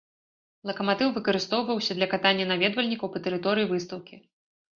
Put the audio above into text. Лакаматыў выкарыстоўваўся для катання наведвальнікаў па тэрыторыі выстаўкі.